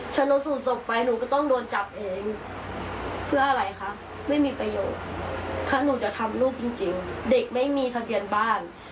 ชนสูตรศพไปหนูก็ต้องโดนจับเองเพื่ออะไรคะไม่มีประโยชน์ถ้าหนูจะทำลูกจริงเด็กไม่มีทะเบียนบ้าน